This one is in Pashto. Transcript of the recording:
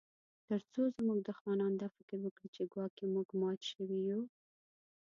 ترڅو زموږ دښمنان دا فکر وکړي چې ګواکي موږ مات شوي یو